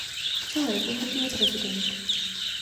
V čele republiky je prezident.